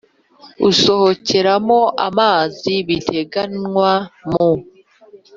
Usohokeramo amazi biteganywa mu